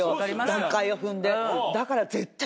段階を踏んで。